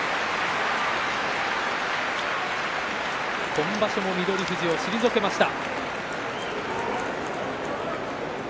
今場所も翠富士を退けました。